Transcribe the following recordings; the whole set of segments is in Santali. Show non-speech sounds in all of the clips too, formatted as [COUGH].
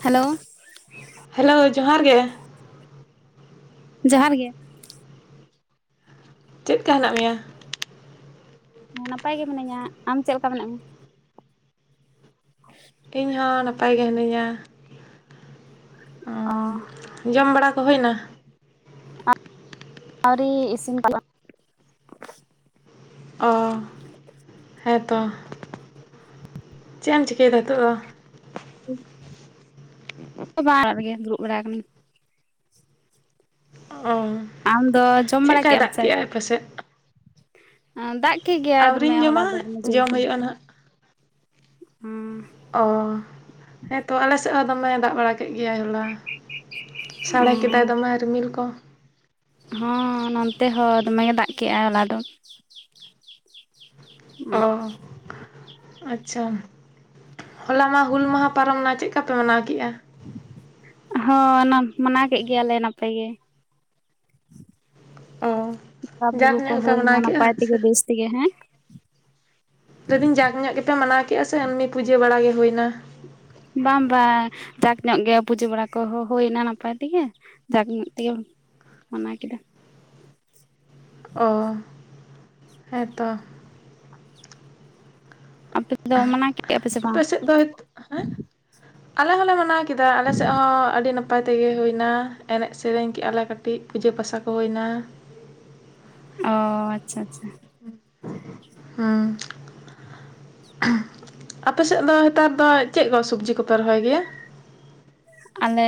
ᱦᱮᱞᱳ ᱦᱮᱞᱳ ᱡᱚᱦᱟᱨ ᱜᱮ ᱡᱚᱦᱟᱨ ᱜᱮ ᱪᱮᱫ ᱞᱷᱠᱟ ᱦᱮᱱᱟᱜ ᱢᱮᱭᱟ ᱦᱮᱸ ᱱᱟᱯᱟᱭ ᱜᱮ ᱢᱤᱱᱟᱹᱧᱟ ᱟᱢ ᱪᱮᱞᱠᱟ ᱢᱮᱱᱟᱜ ᱢᱮ ᱤᱧ ᱦᱚᱸ ᱱᱟᱯᱟᱭ ᱜᱮ ᱦᱤᱱᱟᱹᱧᱟ ᱚ ᱩᱸ, ᱡᱚᱢ ᱵᱟᱲᱟ ᱠᱚ ᱦᱳᱭᱱᱟ ᱟᱣᱨᱤ ᱤᱥᱤᱱ [UNINTELLIGIBLE] ᱚ ᱦᱮᱸ ᱛᱚ ᱪᱮ ᱮᱢ ᱪᱤᱠᱟᱹᱭᱫᱟ ᱦᱤᱛᱚᱜ ᱫᱚ ᱵᱟ ᱚᱲᱟᱜ ᱨᱮᱜᱮ ᱫᱩᱲᱩᱵ ᱵᱟᱲᱟ ᱟᱠᱟᱱᱤᱧ ᱚ ᱟᱢ ᱫᱚ ᱡᱚᱢ ᱵᱟᱲᱟ ᱪᱮᱜᱠᱟᱭ ᱠᱮᱜ ᱟᱢ ᱫᱟᱜ ᱥᱮ ᱠᱮ ᱟᱭ ᱟᱯᱮ ᱥᱮᱫ ᱫᱟᱜ ᱠᱮᱫ ᱜᱮᱭᱟᱭ ᱫᱚᱢᱮ ᱟᱹᱣᱨᱤᱧ ᱦᱚᱞᱟ ᱡᱚᱢᱟ ᱫᱚ ᱫᱚᱢᱮ ᱡᱳᱨ ᱡᱚᱢ ᱜᱮ ᱦᱩᱭᱩᱜᱼᱟ ᱱᱟᱦᱟᱜ ᱚ ᱚ ᱦᱮᱸᱛᱚ ᱟᱞᱮ ᱥᱮᱜ ᱦᱚᱸ ᱫᱚᱢᱮ ᱫᱟᱜ ᱵᱟᱲᱟ ᱠᱮᱜ ᱜᱮᱭᱟᱭ ᱦᱚᱞᱟ ᱥᱟᱲᱮ ᱠᱮᱫᱟᱭ ᱫᱚᱢᱮ ᱨᱤᱢᱤᱞ ᱠᱚ ᱦᱚᱸ ᱱᱚᱱᱛᱮ ᱦᱚ ᱫᱚᱢᱮᱜᱮ ᱫᱟᱜ ᱠᱮᱜᱟᱭ ᱦᱚᱞᱟ ᱫᱚ ᱚ ᱟᱪᱪᱷᱟ ᱦᱚᱞᱟ ᱢᱟ ᱦᱩᱞ ᱢᱟᱦᱟ ᱯᱟᱨᱚᱢᱱᱟ ᱪᱮᱫ ᱠᱟᱯᱮ ᱢᱟᱱᱟᱣ ᱠᱮᱟ ᱦᱚᱸ ᱱᱟᱯ ᱢᱟᱱᱟᱣ ᱠᱮᱫ ᱜᱮᱭᱟᱞᱮ ᱱᱟᱯᱟᱭ ᱜᱮ ᱚ ᱵᱚᱸᱜᱟ ᱡᱟᱠ ᱵᱩᱨᱩ ᱠᱚ ᱧᱚᱜ ᱜᱮᱯᱮ ᱦᱳᱭᱱᱟ ᱢᱟᱱᱟᱣ ᱠᱮᱜᱼᱟ ᱱᱟᱯᱟᱭ ᱥᱮ ᱛᱮᱜᱮ ᱵᱮᱥ ᱛᱮᱜᱮ ᱦᱮᱸ ᱞᱮᱫᱤᱧ ᱡᱟᱠ ᱧᱚᱜ ᱜᱮᱯᱮ ᱢᱟᱱᱟᱣ ᱠᱮᱟ ᱥᱮ ᱮᱢᱱᱤ ᱯᱩᱡᱟᱹ ᱵᱟᱲᱟ ᱜᱮ ᱦᱩᱭᱱᱟ ᱵᱟᱝ ᱵᱟᱝ ᱡᱟᱠ ᱧᱚᱜ ᱜᱮ ᱯᱩᱡᱟᱹ ᱵᱟᱲᱟ ᱠᱚᱦᱚᱸ ᱦᱳᱭᱱᱟ ᱱᱟᱯᱟᱭ ᱛᱮᱜᱮ ᱡᱟᱜᱽ ᱧᱚᱜ ᱛᱮᱜᱮ ᱢᱟᱱᱟ ᱠᱮᱫᱟ ᱚ ᱦᱮᱸᱛᱚ ᱟᱯᱮ ᱠᱚᱫᱚ ᱢᱟᱱᱟᱣ ᱠᱮᱫᱼᱟ ᱯᱮ ᱥᱮ ᱵᱟᱝ [UNINTELLIGIBLE] ᱟᱞᱮ ᱦᱚᱸᱞᱮ ᱢᱟᱱᱟᱣ ᱠᱮᱫᱟ ᱟᱞᱮ ᱥᱮᱫ ᱦᱚᱸ ᱟᱹᱰᱤ ᱱᱟᱯᱟᱭ ᱱᱟᱯᱟᱭ ᱛᱮᱜᱮ ᱦᱩᱭᱱᱟ ᱮᱱᱮᱡ ᱥᱮᱨᱮᱧ ᱠᱮᱜ ᱟᱞᱮ ᱠᱟᱹᱴᱤᱡ ᱯᱩᱡᱟᱹ ᱯᱟᱥᱟ ᱠᱚ ᱦᱩᱭᱮᱱᱟ ᱚ ᱟᱪᱪᱷᱟ ᱟᱪᱪᱷᱟ ᱦᱩᱸ ᱟᱯᱮ ᱥᱮᱫ ᱫᱚ ᱱᱮᱛᱟᱨ ᱫᱚ ᱪᱮᱫ ᱠᱚ ᱥᱚᱵᱡᱤ ᱠᱚᱯᱮ ᱨᱚᱦᱚᱭ ᱜᱮᱭᱟ ᱟᱞᱮ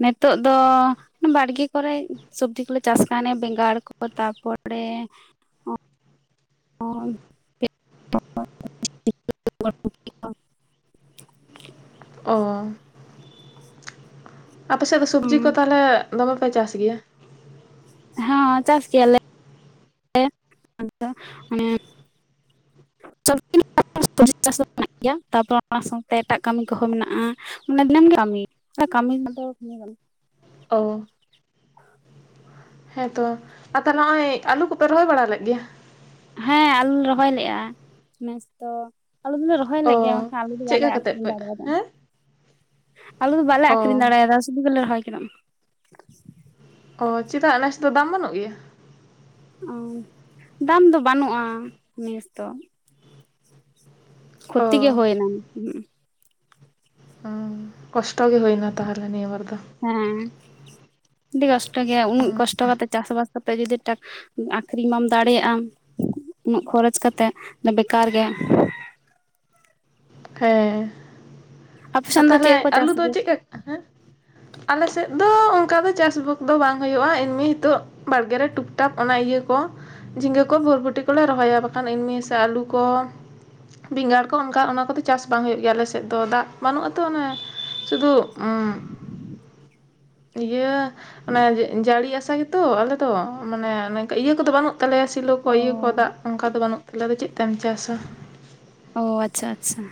ᱱᱤᱛᱳᱜ ᱫᱚ ᱵᱟᱲᱜᱮ ᱠᱚᱨᱮ ᱥᱚᱵᱡᱤ ᱠᱚᱞᱮ ᱪᱟᱥ ᱠᱟᱱ ᱵᱮᱸᱜᱟᱲ ᱠᱚ ᱛᱟᱨᱯᱚᱨᱮ ᱚ ᱚ ᱟᱯᱮ ᱥᱮᱫ ᱫᱚ ᱥᱚᱵᱽᱡᱤ ᱠᱚ ᱦᱚᱸ ᱛᱟᱦᱚᱞᱮ ᱫᱚᱢᱮ ᱯᱮ ᱪᱟᱥ ᱜᱮᱭᱟ ᱦᱮᱸ ᱪᱟᱥ ᱜᱮᱭᱟᱞᱮ [UNINTELLIGIBLE] [UNINTELLIGIBLE] ᱼᱼᱼᱛᱟᱨᱯᱚᱨᱮ ᱚᱱᱟ ᱥᱟᱶᱛᱮ ᱮᱴᱟᱜ ᱠᱟᱹᱢᱤ ᱠᱚᱦᱚᱸ ᱢᱮᱱᱟᱜᱼᱟ ᱢᱟᱱᱮ ᱫᱤᱱᱟᱢ ᱠᱟᱹᱢᱤ ᱠᱟᱹᱢᱤ ᱫᱚ ᱚ ᱦᱮᱸ ᱛᱚ ᱟᱯᱮ ᱛᱟᱦᱚᱞᱮ ᱱᱚᱜ ᱚᱭ ᱟᱹᱞᱩ ᱠᱚᱯᱮ ᱨᱚᱦᱚᱭ ᱵᱟᱲᱟ ᱞᱮᱫ ᱜᱮᱭᱟ ᱦᱮᱸ ᱟᱞᱩ ᱨᱚᱦᱚᱭ ᱞᱮᱫᱼᱟ ᱱᱮᱥ ᱛᱚ ᱟᱞᱩ ᱫᱚᱞᱮ ᱨᱚᱦᱚᱭ ᱚ ᱞᱮᱫ ᱜᱮᱭᱟ ᱢᱮᱱᱠᱷᱟᱱ ᱟᱞᱮ ᱫᱚ ᱵᱟᱞᱮ ᱪᱮᱫᱠᱟ ᱠᱟᱛᱮᱫ ᱟᱠᱷᱨᱤᱧ ᱯᱮ ᱫᱟᱲᱮᱭᱟᱫᱟ ᱦᱮᱸ ᱟᱞᱩ ᱫᱚ ᱵᱟᱞᱮ ᱚ ᱟᱠᱷᱨᱤᱧ ᱫᱟᱲᱮᱭᱟᱫᱟᱼᱟ ᱥᱩᱫᱩ ᱜᱮᱞᱮ ᱨᱚᱦᱚᱭ ᱠᱟᱱᱟ ᱚ ᱪᱮᱫᱟᱜ ᱱᱮᱥ ᱫᱚ ᱫᱟᱢ ᱵᱟᱹᱱᱩᱜ ᱜᱮᱭᱟ ᱚ ᱫᱟᱢ ᱫᱚ ᱵᱟᱹᱱᱩᱜᱼᱟ ᱱᱮᱥ ᱫᱚ ᱠᱷᱚᱛᱤ ᱚ ᱦᱳᱭᱮᱱᱟ [UNINTELLIGIBLE] ᱠᱚᱥᱴᱚ ᱜᱮ ᱦᱩᱭᱮᱱᱟ ᱛᱟᱦᱚᱞᱮ ᱱᱤᱭᱟᱹ ᱵᱟᱨ ᱫᱚ ᱦᱮᱸ ᱟᱹᱰᱤ ᱠᱚᱥᱴᱚ ᱜᱮᱭᱟ ᱩᱱᱟᱹᱜ ᱠᱚᱥᱴᱚ ᱠᱟᱛᱮᱜ ᱪᱟᱥ ᱵᱟᱥ ᱠᱟᱛᱮ ᱡᱩᱫᱤ ᱴᱟᱠ ᱟᱠᱷᱨᱤᱧ ᱵᱟᱢ ᱫᱟᱲᱮ ᱭᱟᱜᱼᱟ ᱩᱱᱟᱹᱜ ᱠᱷᱚᱨᱚᱪ ᱠᱟᱛᱮᱜ ᱵᱮᱠᱟᱨ ᱜᱮ ᱦᱮᱸ ᱟᱯᱮ ᱟᱨ ᱥᱮᱱ ᱫᱚ ᱛᱟᱦᱞᱮ ᱪᱮᱫ ᱠᱚ ᱟᱹᱞᱩ ᱪᱟᱥ ᱫᱚ ᱜᱮᱭᱟ ᱪᱮᱫ ᱞᱮᱠᱟ ᱦᱮᱸ ᱟᱞᱮ ᱥᱮᱫ ᱫᱚ ᱚᱱᱠᱟ ᱫᱚ ᱪᱟᱥᱵᱟᱥ ᱫᱚ ᱵᱟᱝ ᱦᱩᱭᱩᱜᱼᱟ ᱮᱢᱱᱤ ᱱᱤᱛᱚᱜ ᱵᱟᱲᱜᱮ ᱨᱮ ᱴᱩᱯᱴᱟᱯ ᱚᱱᱟ ᱤᱭᱟᱹ ᱠᱚ ᱡᱷᱤᱸᱜᱟᱹ ᱠᱚ ᱵᱷᱩᱨᱵᱩᱴᱤ ᱠᱚ ᱞᱮ ᱨᱚᱦᱚᱭᱟ ᱵᱟᱝᱠᱷᱟᱱ ᱮᱢᱱᱤ ᱥᱮ ᱟᱹᱞᱩ ᱠᱚ ᱵᱮᱸᱜᱟᱲ ᱠᱚ ᱚᱱᱠᱟ ᱚᱱᱟ ᱠᱚᱫᱚ ᱪᱟᱥ ᱵᱟᱝ ᱦᱩᱭᱩᱜ ᱜᱮᱭᱟ ᱟᱞᱮ ᱥᱮᱫ ᱫᱚ ᱫᱟᱜ ᱵᱟᱹᱱᱩᱜ ᱟᱛᱚ ᱚᱱᱮ ᱥᱩᱫᱷᱩ ᱤᱭᱟᱹ ᱚᱱᱮ ᱡᱟᱹᱲᱤ ᱟᱥᱟ ᱜᱮᱛᱚ ᱟᱞᱮ ᱫᱚ ᱢᱟᱱᱮ ᱤᱭᱟᱹ ᱠᱚᱫᱚ ᱵᱟᱹᱱᱩᱜ ᱛᱟᱞᱮᱭᱟ ᱥᱤᱞᱚ ᱠᱚ ᱚ ᱤᱭᱟᱹ ᱠᱚ ᱫᱟᱜ ᱚᱱᱠᱟ ᱫᱚ ᱵᱟᱹᱱᱩᱜ ᱛᱟᱞᱮᱭᱟ ᱟᱫᱚ ᱪᱮᱫ ᱛᱮᱢ ᱪᱟᱥᱟ ᱾ ᱚ ᱟᱪᱪᱷᱟ ᱟᱪᱪᱷᱟ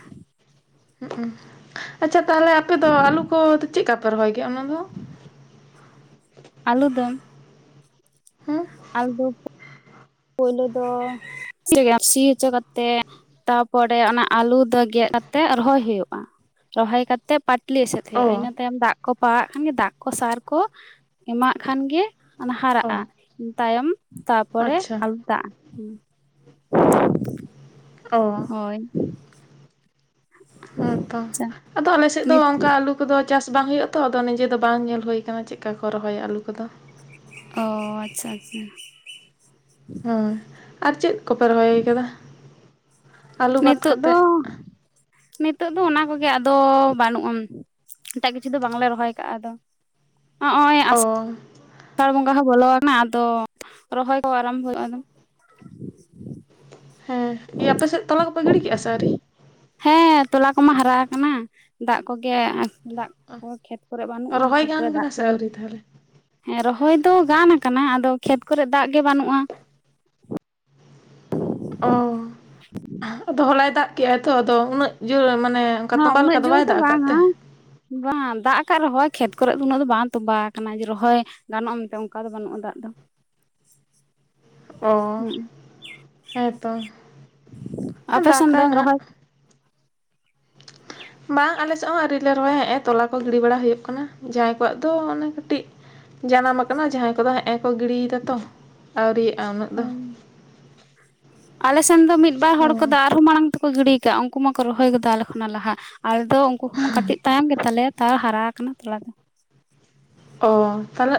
ᱟᱪᱪᱷᱟ ᱛᱟᱦᱚᱞᱮ ᱟᱯᱮ ᱫᱚ ᱟᱹᱞᱩ ᱠᱚ ᱪᱮᱫ ᱞᱮᱠᱟ ᱯᱮ ᱨᱚᱦᱚᱭ ᱜᱮᱭᱟ ᱚᱱᱟ ᱫᱚ? ᱟᱹᱞᱩ ᱫᱚ ᱦᱮᱸ ᱟᱞᱮ ᱫᱚ ᱯᱳᱞᱳ ᱫᱚ ᱥᱤ ᱦᱚᱪᱚ ᱠᱟᱛᱮᱜ ᱛᱟᱨᱯᱚᱨᱮ ᱚᱱᱟ ᱟᱞᱩ ᱫᱚ ᱜᱮᱫ ᱠᱟᱛᱮᱜ ᱨᱚᱦᱚᱭ ᱦᱩᱭᱩᱜᱼᱟ, ᱨᱚᱦᱚᱭ ᱠᱟᱛᱮᱜ ᱛᱤᱠᱞᱤ ᱮᱥᱮᱫ ᱚ ᱦᱩᱭᱩᱜᱼᱟ, ᱤᱱᱟᱹ ᱛᱟᱭᱚᱢ ᱫᱟᱜ ᱠᱚ ᱯᱟᱲᱟᱜ ᱠᱷᱟᱱ ᱜᱮ ᱫᱟᱜ ᱠᱚ ᱥᱟᱨ ᱠᱚ ᱮᱢᱟᱜ ᱠᱷᱟᱱ ᱜᱮ ᱚᱱᱟ ᱚ ᱦᱟᱨᱟᱜᱼᱟ ᱾ ᱤᱱᱟᱹ ᱛᱟᱭᱚᱢ ᱛᱟᱨᱯᱚᱨᱮ ᱟᱪᱪᱷᱟ ᱟᱞᱩ ᱫᱟᱜᱼᱟ ᱚ ᱦᱳᱭ ᱦᱮᱸ ᱛᱚ ᱟᱪᱪᱷᱟ ᱾ ᱟᱫᱚ ᱟᱞᱮ ᱥᱮᱫ ᱫᱚ ᱱᱤᱛ ᱚᱱᱠᱟ ᱟᱞᱩ ᱫᱚ ᱪᱟᱥ ᱵᱟᱝ ᱦᱩᱭᱩᱜᱼᱟ ᱛᱚ ᱟᱫᱚ ᱱᱤᱡᱮ ᱫᱚ ᱵᱟᱝ ᱧᱮᱞ ᱦᱩᱭ ᱟᱠᱟᱱᱟ ᱪᱮᱫ ᱞᱮᱠᱟ ᱠᱚ ᱨᱚᱦᱚᱭᱟ ᱟᱹᱞᱩ ᱠᱚᱫᱚ ᱾ ᱚ ᱟᱪᱪᱷᱟ ᱟᱪᱪᱷᱟ ᱟᱨ ᱪᱮᱫ ᱠᱚᱯᱮ ᱨᱚᱦᱚᱭ ᱟᱠᱟᱫᱟ? ᱟᱹᱞᱩ ᱵᱟᱫ ᱱᱤᱛᱚᱜ ᱫᱚ ᱠᱟᱛᱮᱫ ᱱᱤᱛᱚᱜ ᱫᱚ ᱚᱱᱟ ᱠᱚᱜᱮ ᱟᱫᱚ ᱵᱟᱹᱱᱩᱜ ᱟᱱ ᱮᱴᱟᱜ ᱠᱤᱪᱷᱩ ᱫᱚ ᱵᱟᱝᱞᱮ ᱨᱚᱦᱚᱭ ᱠᱟᱜᱼᱟ ᱟᱫᱚ ᱾ ᱱᱚᱜ ᱚᱭ ᱚ ᱟᱥᱟᱲ ᱵᱚᱸᱜᱟ ᱦᱚᱸ ᱵᱚᱞᱚ ᱟᱠᱟᱱᱟ ᱟᱫᱚ ᱨᱚᱦᱚᱭ ᱠᱚ ᱟᱨᱟᱢᱵᱷᱚ ᱦᱩᱭᱩᱜᱼᱟ ᱟᱫᱚ ᱦᱮᱸ ᱾ ᱤᱭᱟᱹ ᱟᱯᱮ ᱥᱮᱫ ᱛᱚᱞᱟ ᱠᱚᱯᱮ ᱜᱤᱲᱤ ᱠᱮᱜᱼᱟ ᱥᱮ ᱟᱹᱣᱨᱤ? ᱦᱮᱸ ᱛᱚᱞᱟ ᱠᱚᱢᱟ ᱦᱟᱨᱟ ᱠᱟᱱᱟ ᱫᱟᱜ ᱠᱚᱜᱮ ᱫᱟᱜ ᱠᱷᱮᱛ ᱠᱚᱨᱮᱜ ᱵᱟᱹᱱᱩᱜᱼᱟ ᱨᱚᱦᱚᱭ ᱠᱷᱮᱛ ᱠᱚᱨᱮ ᱜᱟᱱ ᱫᱟᱜ ᱠᱟᱱᱟ ᱠᱚ ᱥᱮ ᱟᱹᱣᱨᱤ ᱛᱟᱦᱚᱞᱮ ᱦᱮᱸ ᱨᱚᱦᱚᱭ ᱫᱚ ᱜᱟᱱ ᱠᱟᱱᱟ ᱟᱫᱚ ᱠᱷᱮᱛ ᱠᱚᱨᱮᱜ ᱫᱟᱜ ᱜᱮ ᱵᱟᱹᱱᱩᱜᱼᱟ ᱚ ᱟᱫᱚ ᱦᱚᱞᱟᱭ ᱫᱟᱜ ᱠᱮᱜᱼᱟᱭ ᱛᱚ ᱟᱫᱚ ᱩᱱᱟᱹᱜ ᱡᱳᱭ ᱢᱟᱱᱮ ᱚᱱᱠᱟ ᱦᱮᱸ ᱛᱚᱸᱵᱟ ᱩᱱᱟᱹᱜ ᱞᱮᱠᱟ ᱡᱳᱨ ᱵᱟᱭ ᱫᱚ ᱫᱟᱜ ᱟᱠᱟᱫ ᱵᱟᱝᱼᱟ ᱛᱮ ᱵᱟᱝ ᱫᱟᱜ ᱠᱟᱜ ᱨᱮᱦᱚᱭ ᱠᱷᱮᱛ ᱠᱚᱨᱮᱜ ᱫᱚ ᱩᱱᱟᱹᱜ ᱫᱚ ᱵᱟᱝ ᱛᱚᱵᱟ ᱠᱟᱱᱟ ᱡᱮ ᱨᱚᱦᱚᱭ ᱜᱟᱱᱚᱜᱼᱟ ᱢᱮᱱᱛᱮ ᱚᱱᱠᱟ ᱫᱚ ᱵᱟᱹᱱᱩᱜᱼᱟ ᱫᱟᱜ ᱫᱚ ᱾ [INAUDIBLE] ᱚ ᱦᱩᱸ ᱦᱮᱸ ᱛᱚ ᱟᱯᱮ ᱥᱮᱱ ᱫᱟᱠᱟᱭ ᱫᱚ ᱱᱟᱦᱟᱸᱜ ᱨᱚᱦᱚᱭ ᱵᱟᱝ ᱟᱞᱮ ᱥᱮᱫ ᱦᱚᱸ ᱟᱹᱣᱨᱤ ᱞᱮ ᱨᱚᱦᱚᱭᱟ ᱦᱮᱸᱜᱼᱮ ᱛᱚᱞᱟ ᱠᱚ ᱜᱤᱲᱤ ᱵᱟᱲᱟ ᱦᱳᱭᱳᱜ ᱠᱟᱱᱟ ᱡᱟᱦᱟᱸᱭ ᱠᱚᱣᱟᱜ ᱫᱚ ᱚᱱᱮ ᱠᱟᱹᱴᱤᱡ ᱡᱟᱱᱟᱢ ᱠᱟᱱᱟ ᱡᱟᱦᱟᱸᱭ ᱠᱚᱫᱚ ᱦᱮᱸᱜᱼᱮ ᱠᱚ ᱜᱤᱲᱤᱭ ᱫᱟᱛᱚ ᱟᱹᱣᱨᱤᱭᱟᱜᱼᱟ ᱩᱱᱟᱹᱜ ᱫᱚ ᱠᱚ ᱾ [INAUDIBLE] ᱟᱞᱮ ᱥᱮᱱ ᱫᱚ ᱢᱤᱫᱵᱟᱨ ᱦᱚᱲ ᱦᱮᱸ ᱠᱚᱫᱚ ᱟᱨᱦᱚᱸ ᱢᱟᱲᱟᱝ ᱛᱮᱠᱚ ᱜᱤᱲᱤ ᱠᱟᱜᱼᱟ ᱩᱱᱠᱩ ᱢᱟᱠᱚ ᱨᱚᱦᱚᱭ ᱜᱚᱫᱟ ᱟᱞᱮ ᱠᱷᱚᱱᱟᱜ ᱞᱟᱦᱟ ᱾ ᱟᱞᱮ ᱫᱚ ᱩᱱᱠᱩ ᱠᱷᱚᱱ ᱠᱟᱹᱴᱤᱡ ᱛᱟᱭᱚᱢ ᱜᱮᱛᱟᱞᱮᱭᱟ ᱛᱟᱣ ᱦᱟᱨᱟ ᱠᱟᱱᱟ ᱛᱚᱞᱟ ᱫᱚ ᱾ ᱚ ᱛᱟᱦᱚᱞᱮ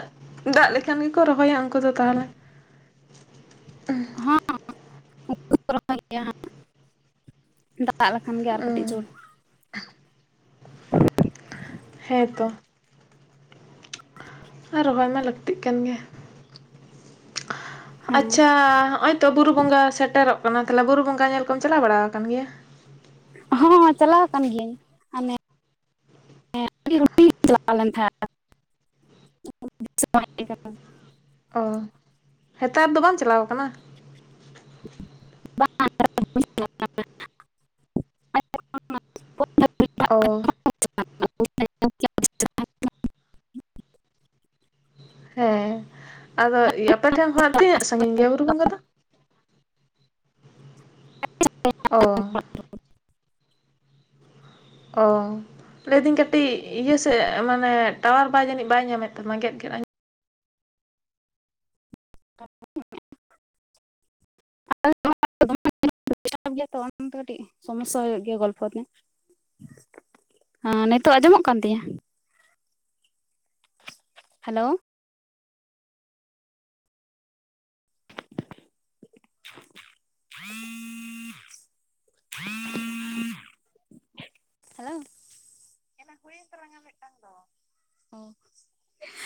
ᱫᱟᱜ ᱞᱮᱠᱷᱟᱱ ᱜᱮᱠᱚ ᱨᱚᱦᱚᱭᱟ ᱩᱱᱠᱩ ᱫᱚ ᱛᱟᱦᱚᱞᱮ ᱾ ᱦᱚᱸ ᱩᱱᱠᱩ ᱫᱚ ᱠᱚ ᱨᱚᱦᱚᱭ ᱜᱮᱭᱟ ᱦᱟᱜ ᱾ ᱫᱟᱜ ᱞᱮᱠᱷᱟᱱ ᱜᱮ ᱟᱨ ᱠᱟᱹᱴᱤᱡ ᱡᱳᱨ ᱦᱮᱸ ᱛᱚ ᱨᱚᱦᱚᱭ ᱢᱟ ᱞᱟᱹᱠᱛᱤᱜ ᱠᱟᱱ ᱜᱮ ᱾ ᱦᱮᱸ ᱟᱪᱪᱷᱟ ᱦᱚᱜᱼᱚᱭ ᱛᱚ ᱵᱩᱨᱩ ᱵᱚᱸᱜᱟ ᱥᱮᱴᱮᱨᱚᱜ ᱠᱟᱱᱟ ᱾ ᱛᱟᱦᱚᱞᱮ ᱵᱩᱨᱩ ᱵᱚᱸᱜᱟ ᱧᱮᱞ ᱠᱚᱢ ᱪᱟᱞᱟᱣ ᱵᱟᱲᱟ ᱠᱟᱱ ᱜᱮᱭᱟ? ᱦᱚᱸ ᱪᱟᱞᱟᱣ ᱠᱟᱱ ᱜᱤᱭᱟᱹᱧ ᱦᱟᱱᱮ ᱟᱹᱰᱤ ᱦᱩᱰᱤᱝ ᱨᱮ ᱪᱟᱞᱟᱣ ᱞᱮᱱ ᱛᱟᱦᱮᱱ, ᱫᱤᱥᱟᱹ ᱵᱟᱝ ᱦᱮᱡ ᱟᱹᱧ ᱠᱟᱱᱟ ᱚ ᱦᱮᱛᱟᱨ ᱫᱚ ᱵᱟᱢ ᱪᱟᱞᱟᱣ ᱠᱟᱱᱟ? ᱚ [UNINTELLIGIBLE] ᱦᱮᱸ ᱟᱫᱚ ᱟᱯᱮ ᱴᱷᱮᱱ ᱠᱷᱚᱱᱟᱜ ᱛᱤᱱᱟᱹᱜ ᱥᱟᱺᱜᱤᱧ ᱜᱮᱭᱟ ᱵᱩᱨᱩ ᱵᱚᱸᱜᱟ ᱫᱚ ᱚ ᱚ ᱞᱟᱹᱭᱫᱟᱹᱧ ᱠᱟᱹᱴᱤᱡ ᱤᱭᱟᱹ ᱥᱮᱫ ᱢᱟᱱᱮ ᱴᱟᱣᱟᱨ ᱵᱟᱭ ᱡᱟᱹᱱᱤᱡ ᱵᱟᱭ ᱧᱟᱢᱮᱫ ᱛᱟᱢᱟ ᱜᱮᱫ ᱜᱮᱫ ᱟᱡᱚᱢ [UNINTELLIGIBLE] ᱥᱚᱢᱚᱥᱥᱟ ᱦᱳᱭᱳᱜ ᱜᱮᱭᱟ ᱜᱚᱞᱯᱷᱚ ᱛᱮ ᱦᱮᱸ ᱱᱤᱛᱚᱜ ᱟᱸᱡᱚᱢᱚᱜ ᱠᱟᱱ ᱛᱤᱧᱟᱹ ᱦᱮᱞᱳ [INAUDIBLE] [INAUDIBLE] ᱦᱮᱞᱳ ᱢᱤᱫᱴᱟᱝ ᱫᱚ ᱚ [UNINTELLIGIBLE]